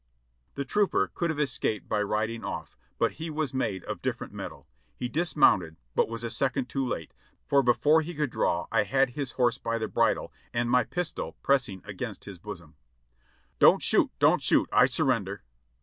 The trooper could have escaped by riding off, but he was made of different metal; he dismounted, but was a second too late, for before he could draw I had his horse by the bridle and my pistol pressing against his bosom. "Don't shoot; don't shoot, I surrender!"